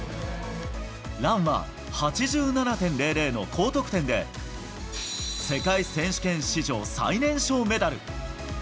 ランは８７．００の高得点で世界選手権史上最年少メダル。